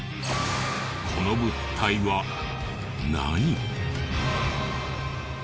この物体は何？